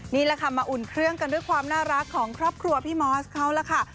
นี่แหละค่ะมาอุ่นเครื่องกันด้วยความน่ารักของครอบครัวพี่มอสเขาล่ะค่ะ